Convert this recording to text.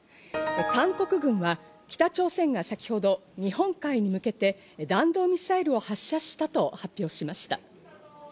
韓国軍は北朝鮮が先ほど日本海に向けて弾道ミサイルを発射したと発表しました。